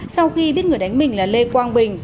sau khi biết người đánh mình là lê quang bình